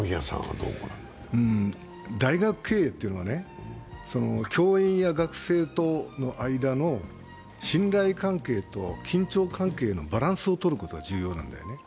大学経営っていうのはね、教員や学生との間の信頼関係と緊張関係のバランスを取ることが重要なんだよね。